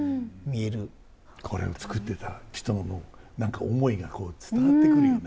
これを作ってた人の何か思いがこう伝わってくるよね。